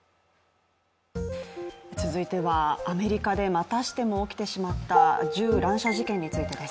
続いては、アメリカでまたしても起きてしまった銃乱射事件についてです。